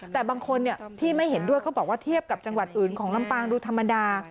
แต่บางคนที่ไม่เห็นด้วยเขาบอกว่าเทียบกับจังหวัดอื่นของลำปางดูธรรมดา